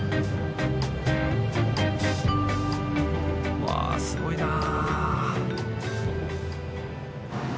うわすごいなあ。